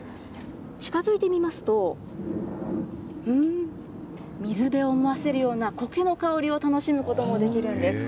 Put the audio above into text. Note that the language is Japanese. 近づいてみますと、水辺を思わせるような、コケの香りを楽しむこともできるんです。